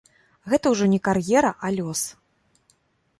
Гэта ўжо не кар'ера, а лёс.